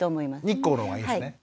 日光のほうがいいんですね。